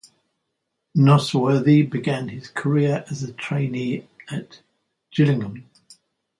Nosworthy began his career as a trainee at Gillingham.